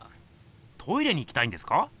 トイレに行きたいんですか？